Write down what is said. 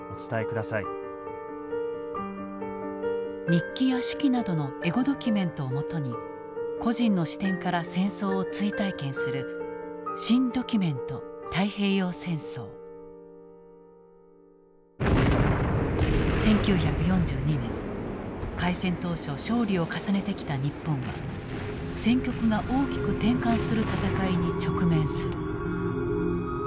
日記や手記などのエゴドキュメントをもとに個人の視点から戦争を追体験する１９４２年開戦当初勝利を重ねてきた日本は戦局が大きく転換する戦いに直面する。